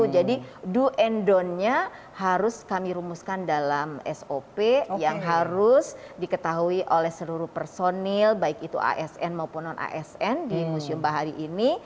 jadi do and donnya harus kami rumuskan dalam sop yang harus diketahui oleh seluruh personil baik itu asn maupun non asn di museum bahari ini